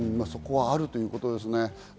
あるということですね。